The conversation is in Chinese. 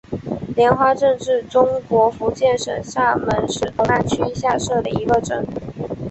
莲花镇是中国福建省厦门市同安区下辖的一个镇。